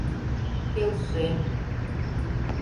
— Келшем.